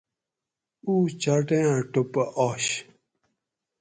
او چاٹیاں ٹوپہ آش